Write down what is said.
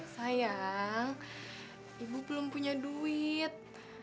sayang ibu belum punya duit